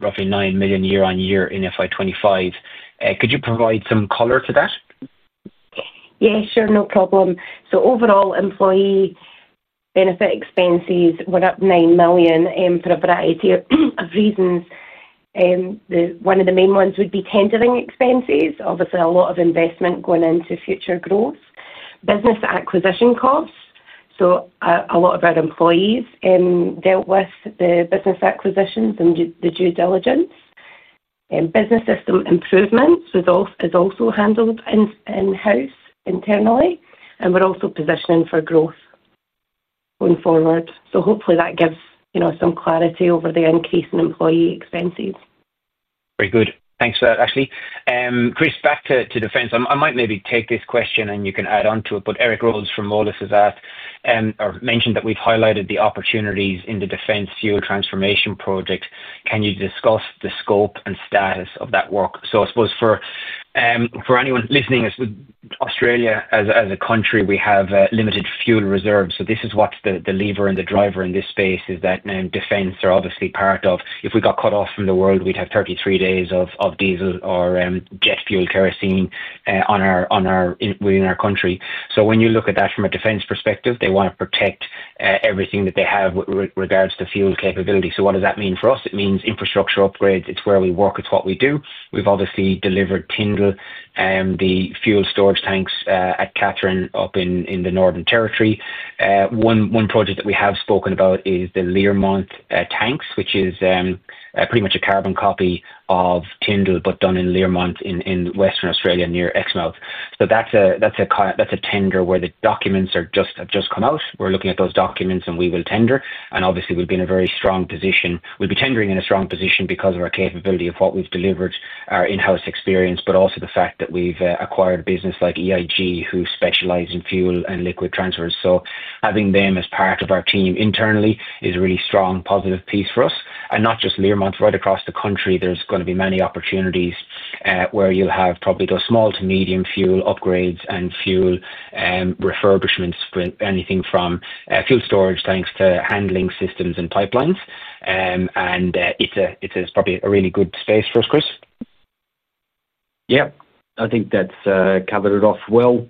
roughly $9 million year on year in FY 2025. Could you provide some color to that? Yeah, sure, no problem. Overall, employee benefit expenses went up $9 million for a variety of reasons. One of the main ones would be tendering expenses. Obviously, a lot of investment going into future growth, business acquisition costs. A lot of our employees dealt with the business acquisitions and the due diligence. Business system improvements is also handled in-house internally. We're also positioning for growth going forward. Hopefully that gives, you know, some clarity over the increase in employee expenses. Very good. Thanks for that, Ashley. Chris, back to defence. I might maybe take this question and you can add on to it, but Eric Rhodes from Morris is at, or mentioned that we've highlighted the opportunities in the defence fuel transformation project. Can you discuss the scope and status of that work? I suppose for anyone listening, Australia as a country, we have limited fuel reserves. This is what the lever and the driver in this space is that defence are obviously part of. If we got cut off from the world, we'd have 33 days of diesel or jet fuel kerosene within our country. When you look at that from a defence perspective, they want to protect everything that they have with regards to fuel capability. What does that mean for us? It means infrastructure upgrades. It's where we work. It's what we do. We've obviously delivered Tyndall, the fuel storage tanks at Katherine up in the Northern Territory. One project that we have spoken about is the Learmonth tanks, which is pretty much a carbon copy of Tyndall, but done in Learmonth in Western Australia near Exmouth. That's a tender where the documents have just come out. We're looking at those documents and we will tender. Obviously, we've been in a very strong position. We'll be tendering in a strong position because of our capability of what we've delivered, our in-house experience, but also the fact that we've acquired a business like EIG Australia who specialize in fuel and liquid transfers. Having them as part of our team internally is a really strong positive piece for us. Not just Learmonth, right across the country, there's going to be many opportunities where you'll have probably those small to medium fuel upgrades and fuel refurbishments for anything from fuel storage tanks to handling systems and pipelines. It's probably a really good space for us, Chris. Yeah, I think that's covered it off well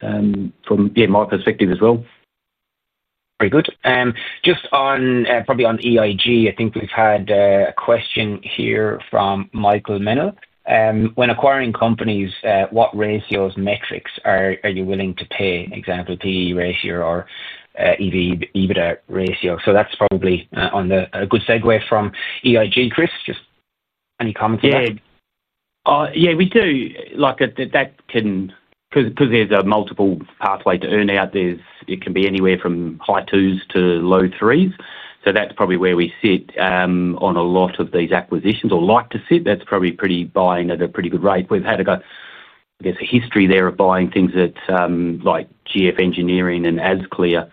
from my perspective as well. Very good. Just on probably on EIG Australia, I think we've had a question here from Michael Mennell. When acquiring companies, what ratios metrics are you willing to pay? An example, PE ratio or EBITDA ratio? That's probably a good segue from EIG Australia. Chris, just any comments? Yeah, we do. Like that can, because there's a multiple pathway to earn out this, it can be anywhere from high twos to low threes. That's probably where we sit on a lot of these acquisitions or like to sit. That's probably pretty buying at a pretty good rate. We've had a history there of buying things like GF Engineering and Asclear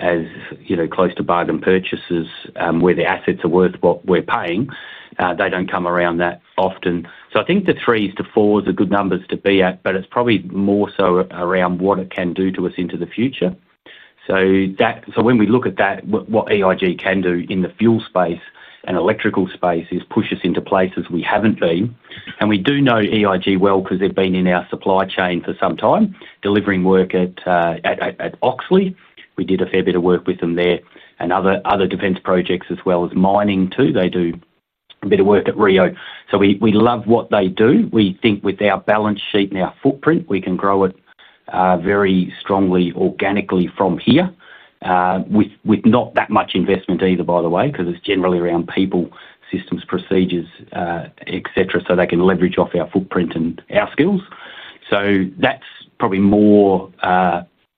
as, you know, close to bargain purchases where the assets are worth what we're paying. They don't come around that often. I think the threes to fours are good numbers to be at, but it's probably more so around what it can do to us into the future. When we look at that, what EIG can do in the fuel space and electrical space is push us into places we haven't been. We do know EIG well because they've been in our supply chain for some time, delivering work at Oxley. We did a fair bit of work with them there and other defense projects as well as mining too. They do a bit of work at Rio. We love what they do. We think with our balance sheet and our footprint, we can grow it very strongly organically from here with not that much investment either, by the way, because it's generally around people, systems, procedures, etc. They can leverage off our footprint and our skills. That's probably more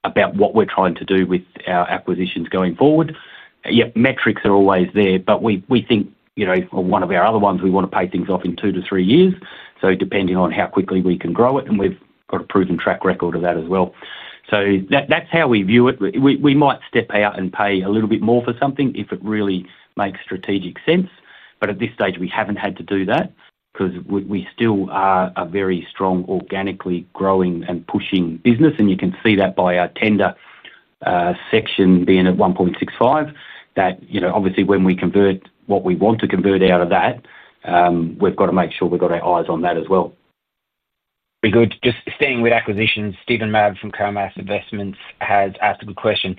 about what we're trying to do with our acquisitions going forward. Metrics are always there, but we think, you know, one of our other ones, we want to pay things off in two to three years. Depending on how quickly we can grow it, and we've got a proven track record of that as well. That's how we view it. We might step out and pay a little bit more for something if it really makes strategic sense. At this stage, we haven't had to do that because we still are a very strong organically growing and pushing business. You can see that by our tender section being at $1.65 billion. Obviously, when we convert what we want to convert out of that, we've got to make sure we've got our eyes on that as well. Just staying with acquisitions, Stephen Mav from Comas Investments has asked a good question.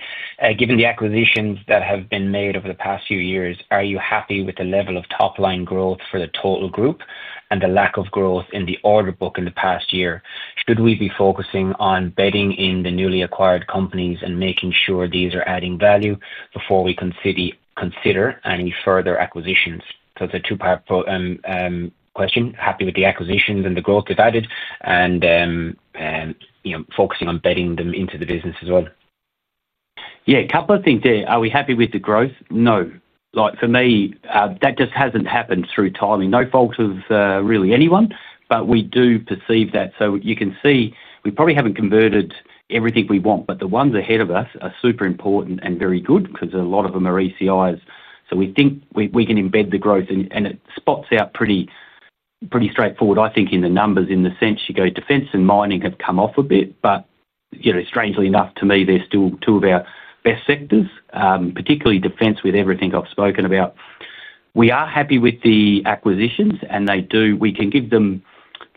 Given the acquisitions that have been made over the past few years, are you happy with the level of top line growth for the total group and the lack of growth in the order book in the past year? Could we be focusing on bedding in the newly acquired companies and making sure these are adding value before we consider any further acquisitions? It's a two-part question. Happy with the acquisitions and the growth that added and, you know, focusing on bedding them into the business as well. A couple of things there. Are we happy with the growth? No. Like for me, that just hasn't happened through timing. No fault of really anyone, but we do perceive that. You can see we probably haven't converted everything we want, but the ones ahead of us are super important and very good because a lot of them are ECIs. We think we can embed the growth and it spots out pretty straightforward. I think in the numbers, in the sense you go, defense and mining have come off a bit, but, you know, strangely enough to me, they're still two of our best sectors, particularly defense with everything I've spoken about. We are happy with the acquisitions and they do. We can give them,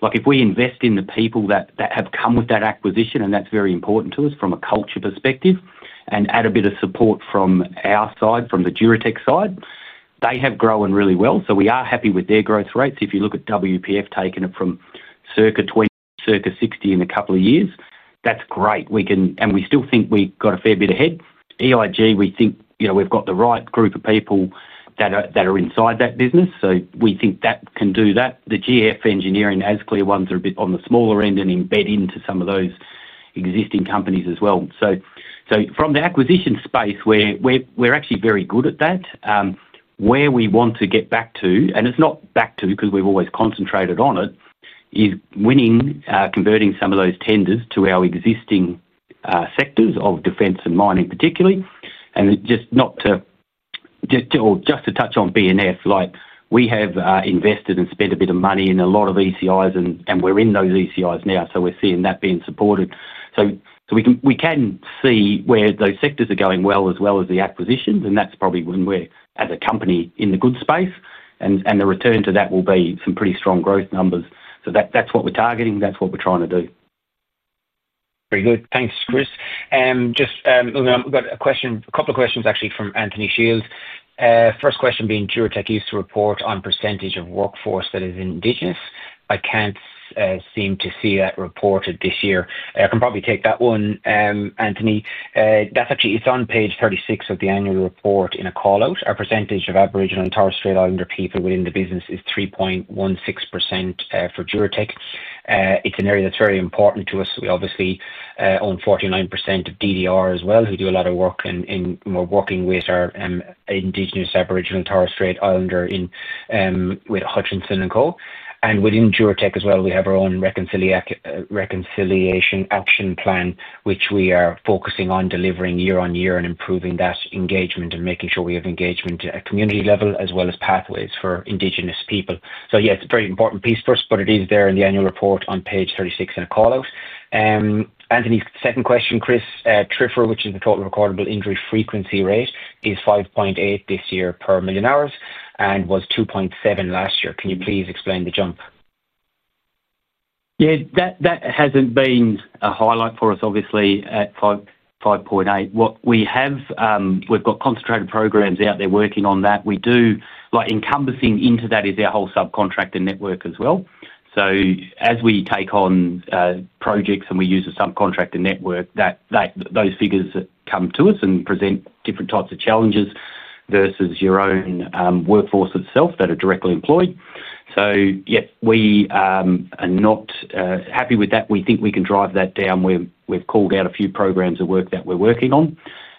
like if we invest in the people that have come with that acquisition and that's very important to us from a culture perspective and add a bit of support from our side, from the Duratec side, they have grown really well. We are happy with their growth rates. If you look at WPF taking it from circa 20 to circa 60 in a couple of years, that's great. We can, and we still think we've got a fair bit ahead. EIG, we think, you know, we've got the right group of people that are inside that business. We think that can do that. The GF Engineering, Asclear ones are a bit on the smaller end and embed into some of those existing companies as well. From the acquisition space, we're actually very good at that. Where we want to get back to, and it's not back to because we've always concentrated on it, is winning, converting some of those tenders to our existing sectors of defense and mining particularly. Just to touch on B&F, like we have invested and spent a bit of money in a lot of ECIs and we're in those ECIs now. We're seeing that being supported. We can see where those sectors are going well as well as the acquisitions. That's probably when we're, as a company, in the good space. The return to that will be some pretty strong growth numbers. That's what we're targeting. That's what we're trying to do. Very good. Thanks, Chris. I've got a question, a couple of questions actually from Anthony Shields. First question being, Duratec used to report on percentage of workforce that is Indigenous. I can't seem to see that reported this year. I can probably take that one, Anthony. That's actually, it's on page 36 of the annual report in a call out. Our percentage of Aboriginal and Torres Strait Islander people within the business is 3.16% for Duratec. It's an area that's very important to us. We obviously own 49% of DDR as well. We do a lot of work in working with our Indigenous Aboriginal and Torres Strait Islander with Hutchinson and Co. Within Duratec as well, we have our own reconciliation action plan, which we are focusing on delivering year on year and improving that engagement and making sure we have engagement at community level as well as pathways for Indigenous people. It's a very important piece for us, but it is there in the annual report on page 36 in a call out. Anthony's second question, Chris. TRIFR, which is the Total Recordable Injury Frequency Rate, is 5.8 this year per million hours and was 2.7 last year. Can you please explain the jump? That hasn't been a highlight for us, obviously, at 5.8. We have concentrated programs out there working on that. Encompassing into that is our whole subcontractor network as well. As we take on projects and we use a subcontractor network, those figures come to us and present different types of challenges versus your own workforce itself that are directly employed. We are not happy with that. We think we can drive that down. We've called out a few programs of work that we're working on.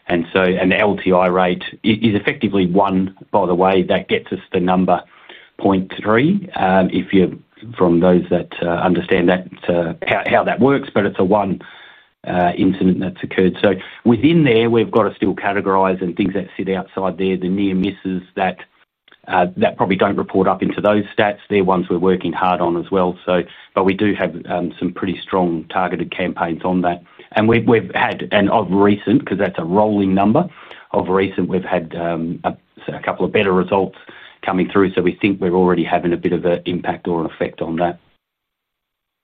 The LTI rate is effectively one, by the way, that gets us to number 0.3. If you're from those that understand that, it's how that works, but it's a one incident that's occurred. Within there, we've got to still categorize and things that sit outside there, the near misses that probably don't report up into those stats, they're ones we're working hard on as well. We do have some pretty strong targeted campaigns on that. Of recent, because that's a rolling number, we've had a couple of better results coming through. We think we're already having a bit of an impact or an effect on that.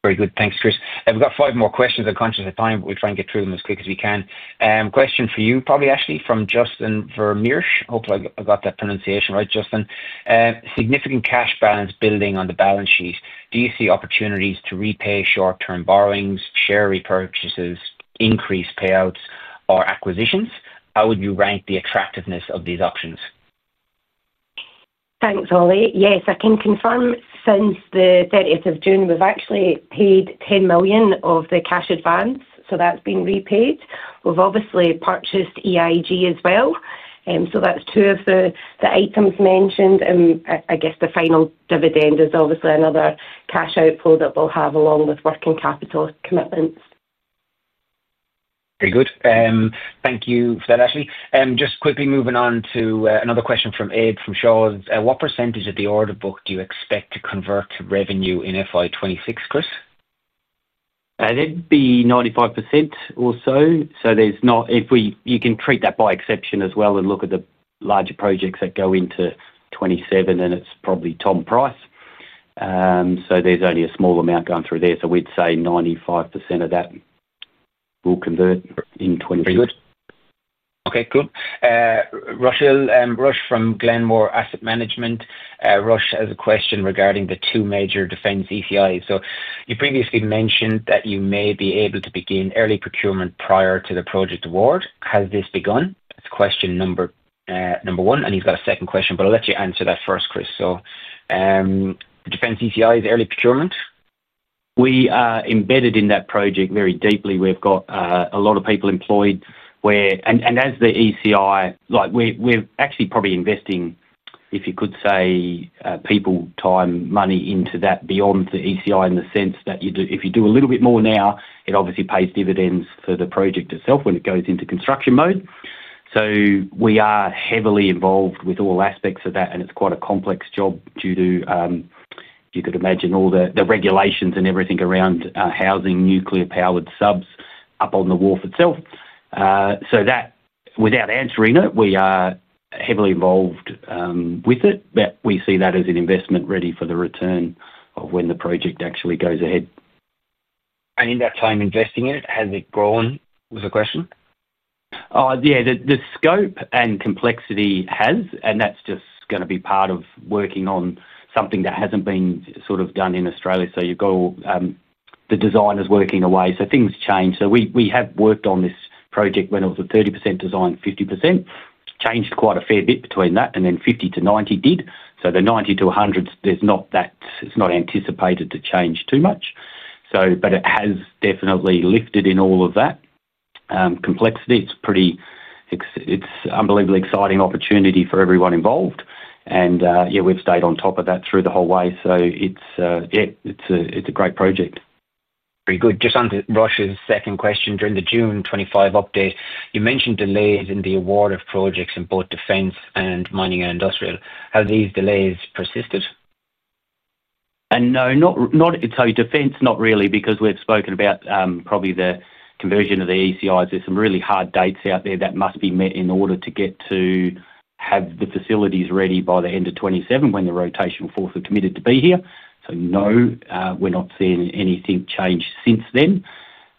Very good. Thanks, Chris. I've got five more questions. I'm conscious of the time. We're trying to get through them as quick as we can. Question for you, probably Ashley, from Justin Vermeersch. Hope I got that pronunciation right, Justin. Significant cash balance building on the balance sheet. Do you see opportunities to repay short-term borrowings, share repurchases, increased payouts, or acquisitions? How would you rank the attractiveness of these options? Thanks, Ollie. Yes, I can confirm since the 30th of June, we've actually paid $10 million of the cash advance. That's been repaid. We've obviously purchased EIG Australia as well. That's two of the items mentioned. I guess the final dividend is obviously another cash outflow that we'll have along with working capital commitments. Very good. Thank you for that, Ashley. Just quickly moving on to another question from Eb from Shaun. What % of the order book do you expect to convert to revenue in FY 2026, Chris? It'd be 95% or so. There's not, if we, you can treat that by exception as well and look at the larger projects that go into 2027, then it's probably Tom Price. There's only a small amount going through there. We'd say 95% of that will convert in 2027. Very good. Okay, cool. Rachel Rush from Glenmore Asset Management. Rush has a question regarding the two major defense ECIs. You previously mentioned that you may be able to begin early procurement prior to the project award. Has this begun? It's question number one. You've got a second question, but I'll let you answer that first, Chris. The defense ECI is early procurement. We are embedded in that project very deeply. We've got a lot of people employed where, and as the ECI, like we're actually probably investing, if you could say, people, time, money into that beyond the ECI in the sense that if you do a little bit more now, it obviously pays dividends for the project itself when it goes into construction mode. We are heavily involved with all aspects of that, and it's quite a complex job due to, you could imagine, all the regulations and everything around housing, nuclear-powered subs up on the wharf itself. Without answering it, we are heavily involved with it. We see that as an investment ready for the return of when the project actually goes ahead. In that time investing in it, has it grown? Was the question? Yeah, the scope and complexity has, and that's just going to be part of working on something that hasn't been sort of done in Australia. You've got all the designers working away, so things change. We have worked on this project when it was a 30% design, 50% changed quite a fair bit between that, and then 50 to 90 did. The 90 to 100, it's not anticipated to change too much. It has definitely lifted in all of that complexity. It's a pretty, it's an unbelievably exciting opportunity for everyone involved. We've stayed on top of that through the whole way. It's a great project. Very good. Just on to Rush's second question, during the June 2025 update, you mentioned delays in the award of projects in both defense and mining and industrial. Have these delays persisted? No, not, so defense not really, because we've spoken about probably the conversion of the ECIs. There are some really hard dates out there that must be met in order to get to have the facilities ready by the end of 2027 when the rotational force are committed to be here. No, we're not seeing anything change since then.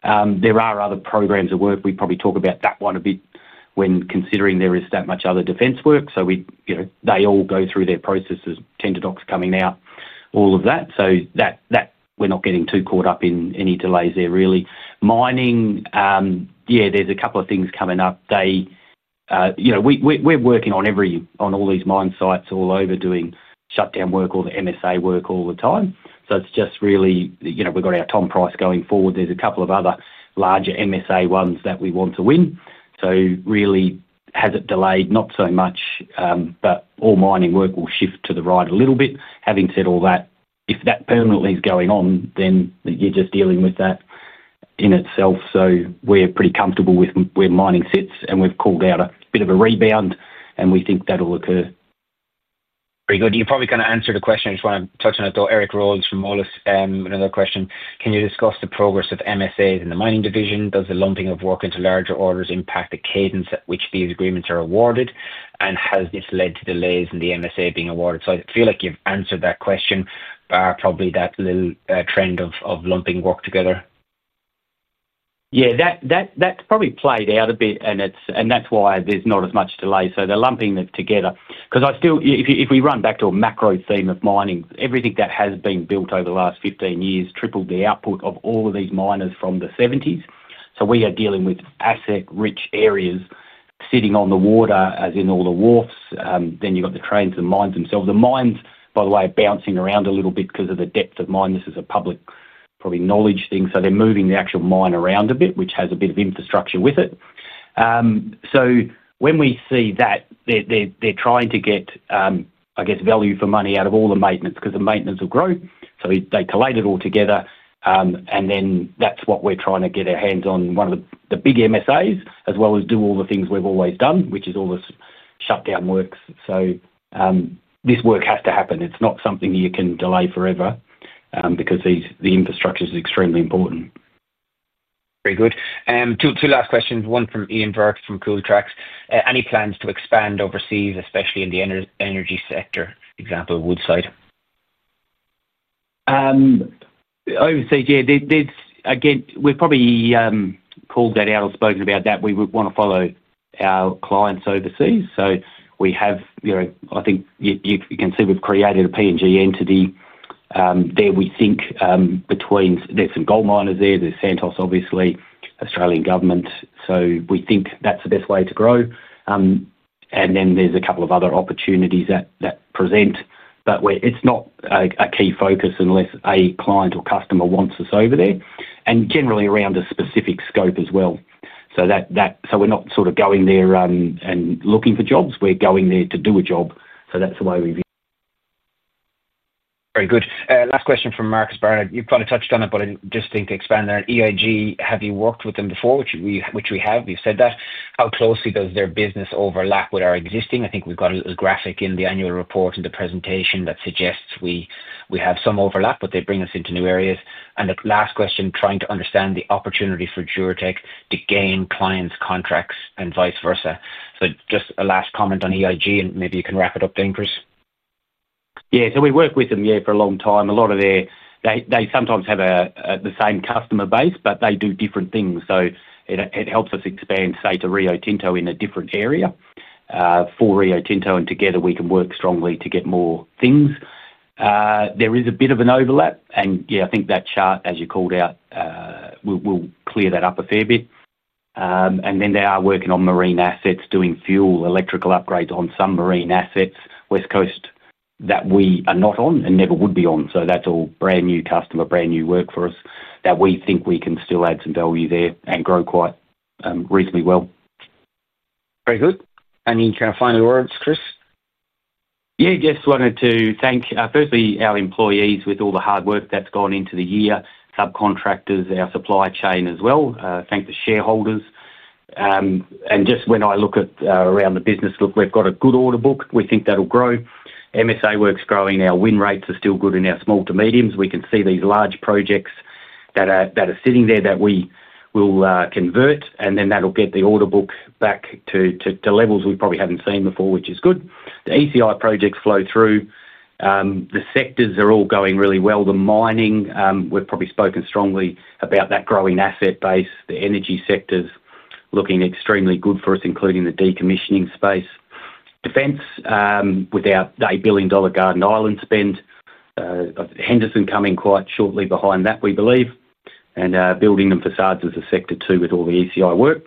There are other programs of work. We probably talk about that one a bit when considering there is that much other defense work. They all go through their processes, tender docs coming out, all of that. We're not getting too caught up in any delays there really. Mining, yeah, there's a couple of things coming up. We're working on every, on all these mine sites all over doing shutdown work or the MSA work all the time. It's just really, we've got our Tom Price going forward. There's a couple of other larger MSA ones that we want to win. Has it delayed? Not so much, but all mining work will shift to the right a little bit. Having said all that, if that permanently is going on, then you're just dealing with that in itself. We're pretty comfortable with where mining sits, and we've called out a bit of a rebound, and we think that'll occur. Very good. You're probably going to answer the question I just want to touch on it. Eric Rawlins from Morris, another question. Can you discuss the progress of MSAs in the mining division? Does the lumping of work into larger orders impact the cadence at which these agreements are awarded? Has this led to delays in the MSA being awarded? I feel like you've answered that question by probably that little trend of lumping work together. That's probably played out a bit, and that's why there's not as much delay. They're lumping it together. If we run back to a macro theme of mining, everything that has been built over the last 15 years tripled the output of all of these miners from the 1970s. We are dealing with asset-rich areas sitting on the water, as in all the wharfs. Then you've got the trains and mines themselves. The mines, by the way, are bouncing around a little bit because of the depth of mine. This is a public probably knowledge thing. They're moving the actual mine around a bit, which has a bit of infrastructure with it. When we see that, they're trying to get, I guess, value for money out of all the maintenance because the maintenance will grow. They collated all together, and then that's what we're trying to get our hands on. One of the big MSAs, as well as do all the things we've always done, which is all the shutdown works. This work has to happen. It's not something you can delay forever because the infrastructure is extremely important. Very good. Two last questions. One from Ian Brooks from Cool Tracks. Any plans to expand overseas, especially in the energy sector? Example, of Woodside. Overseas, yeah, again, we've probably called that out or spoken about that. We would want to follow our clients overseas. We have, you know, I think you can see we've created a P&G entity there. We think between there's some gold miners there, there's Santos, obviously, Australian government. We think that's the best way to grow. There's a couple of other opportunities that present, but it's not a key focus unless a client or customer wants us over there, generally around a specific scope as well. We're not sort of going there and looking for jobs. We're going there to do a job. That's the way we view it. Very good. Last question from Marcus Barnard. You've kind of touched on it, but I just think to expand there. EIG, have you worked with them before, which we have, you said that. How closely does their business overlap with our existing? I think we've got a little graphic in the annual report and the presentation that suggests we have some overlap, but they bring us into new areas. The last question, trying to understand the opportunity for Duratec to gain clients' contracts and vice versa. Just a last comment on EIG and maybe you can wrap it up then, Chris. Yeah, we work with them, yeah, for a long time. A lot of their, they sometimes have the same customer base, but they do different things. It helps us expand, say, to Rio Tinto in a different area for Rio Tinto, and together we can work strongly to get more things. There is a bit of an overlap, and yeah, I think that chart, as you called out, will clear that up a fair bit. They are working on marine assets, doing fuel, electrical upgrades on some marine assets, West Coast, that we are not on and never would be on. That's all brand new customer, brand new work for us that we think we can still add some value there and grow quite reasonably well. Very good. Any kind of final words, Chris? Yeah, just wanted to thank firstly our employees with all the hard work that's gone into the year, subcontractors, our supply chain as well. Thank the shareholders. When I look at around the business, look, we've got a good order book. We think that'll grow. MSA work's growing. Our win rates are still good in our small to mediums. We can see these large projects that are sitting there that we will convert, and that'll get the order book back to levels we probably haven't seen before, which is good. The ECI projects flow through. The sectors are all going really well. The mining, we've probably spoken strongly about that growing asset base. The energy sector's looking extremely good for us, including the decommissioning space. Defence, with our $8 billion Garden Island spend, Henderson coming quite shortly behind that, we believe, and building and facades as a sector too with all the ECI work.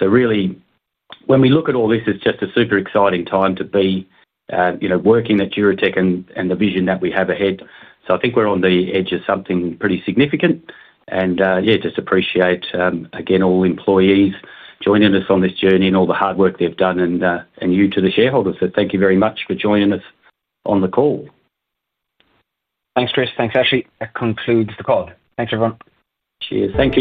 Really, when we look at all this, it's just a super exciting time to be, you know, working at Duratec and the vision that we have ahead. I think we're on the edge of something pretty significant. Yeah, just appreciate, again, all employees joining us on this journey and all the hard work they've done. And you to the shareholders that thank you very much for joining us on the call. Thanks, Chris. Thanks, Ashley. That concludes the call. Thanks, everyone. Cheers. Thank you.